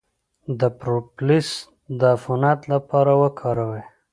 د پروپولیس د عفونت لپاره وکاروئ